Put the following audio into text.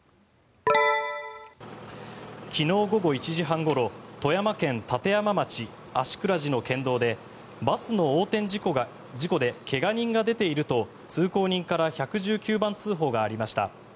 昨日午後１時半ごろ富山県立山町芦峅寺の県道でバスの横転事故で怪我人が出ていると通行人から１１９番通報がありました。